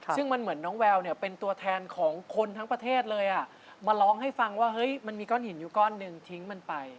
ซึ่งมันเหมือนน้องแววเนี่ยเป็นตัวแทนของคนทั้งประเทศเลยมาร้องให้ฟังว่าเฮ้ยมันมีก้อนหินอยู่ก้อนหนึ่งทิ้งมันไป